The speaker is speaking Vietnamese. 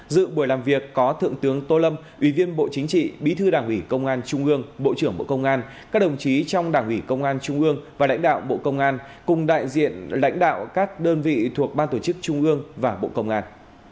dự buổi làm việc có thượng tướng tô lâm ủy viên bộ chính trị bí thư đảng ủy công an trung ương bộ trưởng bộ công an các đồng chí trong đảng ủy công an trung ương và lãnh đạo bộ công an cùng đại diện lãnh đạo các đơn vị thuộc ban tổ chức trung ương và bộ công an